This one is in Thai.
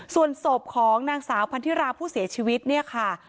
ส่วนศพของนางสาวพันธิราผู้เสียชีวิตเนี่ยค่ะ